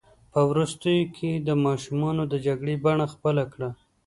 په وروستیو کې یې د ماشومانو د جګړې بڼه خپله کړه.